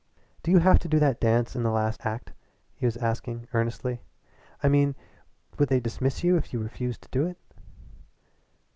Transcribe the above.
"Do you have to do that dance in the last act?" he was asking earnestly "I mean, would they dismiss you if you refused to do it?"